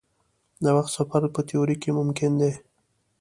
د وخت سفر په تیوري کې ممکن دی.